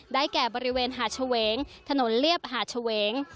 แก่บริเวณหาดเฉวงถนนเรียบหาดเฉวง